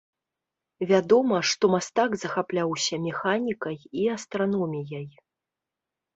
Вядома, што мастак захапляўся механікай і астраноміяй.